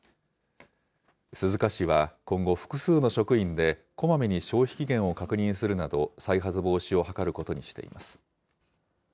鈴鹿市は今後、複数の職員でこまめに消費期限を確認するなど、再発防止を図ることにしています。